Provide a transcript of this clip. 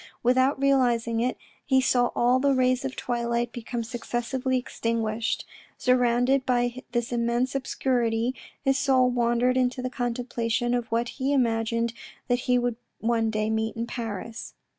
Without realising it, he saw all the rays of the twilight become successively ex tinguished. Surrounded by this immense obscurity, his soul wandered into the contemplation of what he imagined that he would one day meet in Paris.